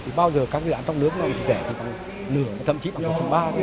thì bao giờ các dự án trong nước nó rẻ chỉ bằng nửa thậm chí bằng một phần ba